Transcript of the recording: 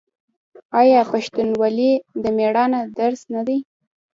آیا پښتونولي د میړانې درس نه دی؟